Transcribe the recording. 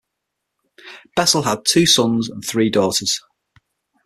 Bessel had two sons and three daughters.